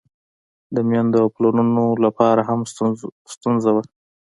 د میندو او پلرونو له پاره هم ستونزه وه.